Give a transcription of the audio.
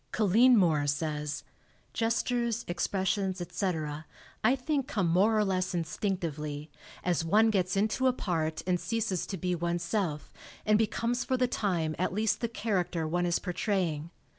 Colleen Moore says, "Gestures, expressions, etc., I think come more or less instinctively, as one gets into a part and ceases to be oneself and becomes for the time at least the character one is portraying.